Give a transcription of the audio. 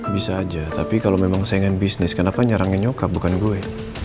bisa aja tapi kalau memang saingan bisnis kenapa nyerangnya nyokap bukan gue